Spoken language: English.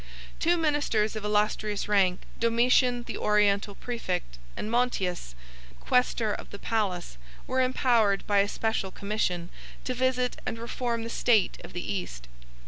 Two ministers of illustrious rank, Domitian the Oriental præfect, and Montius, quæstor of the palace, were empowered by a special commission 1911 to visit and reform the state of the East.